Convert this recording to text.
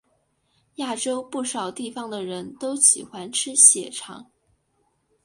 亚洲不少地方的人都喜欢吃血肠。